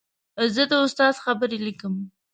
زه د استاد خبرې لیکم.